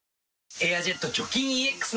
「エアジェット除菌ＥＸ」